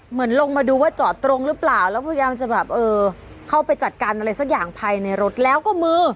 ลงมาดูว่าจอดตรงหรือเปล่าแล้วพยายามจะแบบเออเข้าไปจัดการอะไรสักอย่างภายในรถแล้วก็มือ